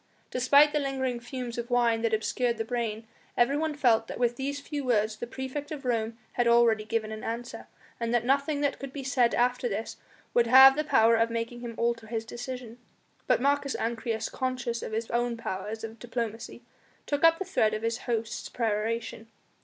Despite the lingering fumes of wine that obscured the brain, everyone felt that with these few words the praefect of Rome had already given an answer, and that nothing that could be said after this would have the power of making him alter his decision. But Marcus Ancyrus, conscious of his own powers of diplomacy, took up the thread of his host's peroration.